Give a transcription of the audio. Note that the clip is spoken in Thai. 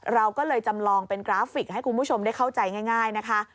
เราก็เลยจำลองเป็นกราฟิกให้คุณผู้ชมได้เข้าใจง่ายนะคะ